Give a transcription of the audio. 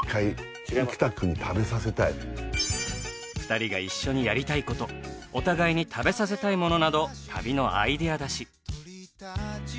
２人が一緒にやりたい事お互いに食べさせたいものなど旅のアイデア出し。